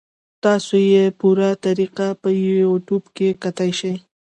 تاسو ئې پوره طريقه پۀ يو ټيوب کتے شئ -